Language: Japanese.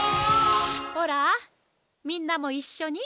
ほらみんなもいっしょに！